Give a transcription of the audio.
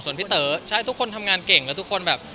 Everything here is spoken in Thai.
ส่วนพี่เต๋อใช่ทุกคนทำงานเก่งแล้วทุกคนแบบ